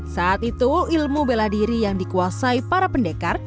saat itu ilmu bela diri yang dikuasai para pendekar